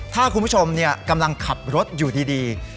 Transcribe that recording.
ถ้าคุณผู้ชมกำลังขับรถอยู่ดี